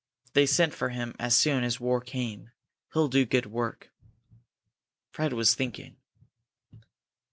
They sent for him as soon as war came. He'll do good work." Fred was thinking.